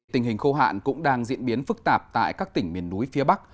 tình hình khô hạn cũng đang diễn biến phức tạp tại các tỉnh miền núi phía bắc